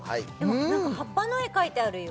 何か葉っぱの絵描いてあるよ